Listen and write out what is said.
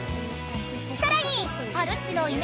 ［さらに］